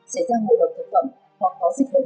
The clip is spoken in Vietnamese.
xảy ra ngộ độc thất vẩn hoặc khó dịch bệnh